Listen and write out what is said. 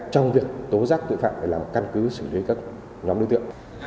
trong việc tố giác tội phạm để làm căn cứ xử lý các nhóm đối tượng